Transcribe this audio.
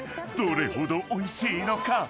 ［どれほどおいしいのか？］